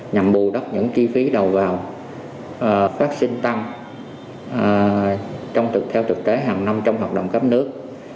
nhằm bù đắp những chi phí đầu vào phát sinh tăng theo thực tế hàng năm trong hoạt động cấp nước